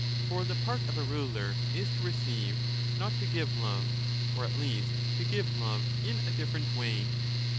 For the part of a ruler is to receive not to give love, or at least to give love in a different way.